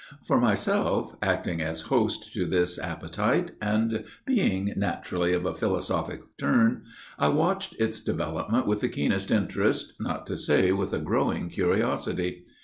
For myself, acting as host to this appetite, and being naturally of a philosophic turn, I watched its development with the keenest interest, not to say with a growing curiosity.